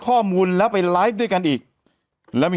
แต่หนูจะเอากับน้องเขามาแต่ว่า